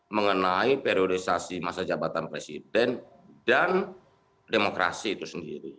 mengenai periodisasi masa jabatan presiden dan demokrasi itu sendiri